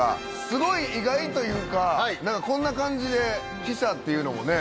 すごい意外というかこんな感じで記者っていうのもね。